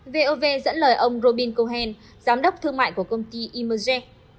vov dẫn lời ông robin cohen giám đốc thương mại của công ty immersed